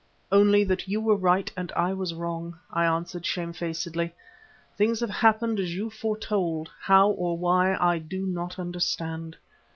"Only that you were right and I was wrong," I answered shamefacedly. "Things have happened as you foretold, how or why I do not understand."